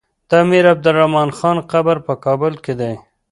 د امير عبدالرحمن خان قبر په کابل کی دی